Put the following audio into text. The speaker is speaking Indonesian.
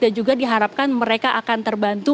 dan juga diharapkan mereka akan terbantu